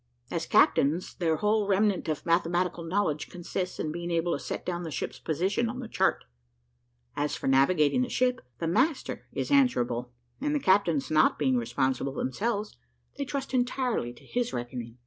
As captains, their whole remnant of mathematical knowledge consists in being able to set down the ship's position on the chart. As for navigating the ship, the master is answerable; and the captains not being responsible themselves, they trust entirely to his reckoning.